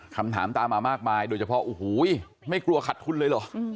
คำถามตามมามากมายโดยเฉพาะโอ้โหไม่กลัวขัดทุนเลยเหรอ